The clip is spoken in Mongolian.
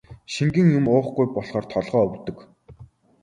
Шингэн юм уухгүй болохоор толгой өвдөг.